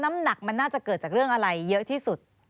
น้ำหนักมันน่าจะเกิดจากเรื่องอะไรเยอะที่สุด